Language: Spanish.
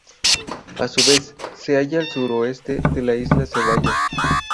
A su vez, se halla al suroeste de la isla Cevallos.